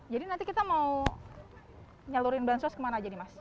jadi nanti kita mau nyalurin bansos kemana aja nih mas